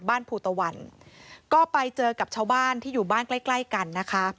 ภูตะวันก็ไปเจอกับชาวบ้านที่อยู่บ้านใกล้ใกล้กันนะคะ